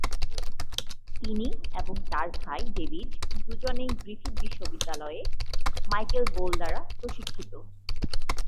তিনি এবং তার ভাই ডেভিড দুজনেই গ্রিফিথ বিশ্ববিদ্যালয়ে মাইকেল বোল দ্বারা প্রশিক্ষিত।